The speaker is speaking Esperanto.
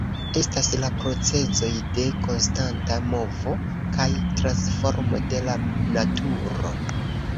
Estas la procezoj de konstanta movo kaj transformo de la naturo.